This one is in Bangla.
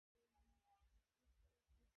তোকে আমি ছাড়বো না।